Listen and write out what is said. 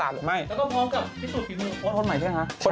แล้วก็พบกับที่สุดฝีมือคนไหมเหรอครับ